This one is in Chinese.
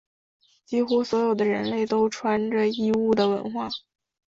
几乎所有的人类都有穿着衣物的文化。